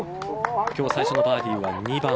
今日最初のバーディーは２番。